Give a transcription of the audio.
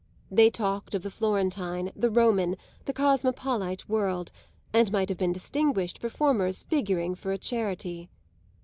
They talked of the Florentine, the Roman, the cosmopolite world, and might have been distinguished performers figuring for a charity.